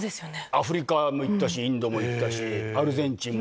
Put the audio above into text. アフリカも行ったしインドも行ったしアルゼンチンも。